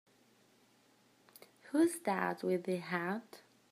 Who's that with the hat?